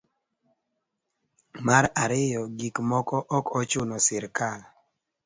mar ariyo gik moko ok ochuno srikal